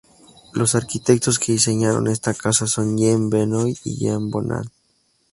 Los arquitectos que diseñaron esta casa son Jean Benoit y Jean Bonnat.